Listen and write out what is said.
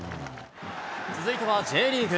続いてはＪリーグ。